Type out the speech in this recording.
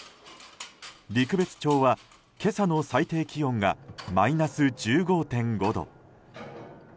陸別町は今朝の最低気温がマイナス１５．５度。